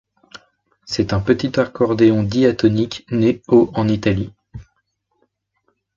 C'est un petit accordéon diatonique né au en Italie.